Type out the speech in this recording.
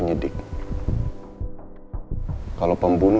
dia ada di luar sini